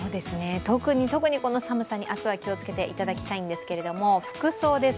特に特にこの寒さに明日は気をつけていただきたいんですが、服装です。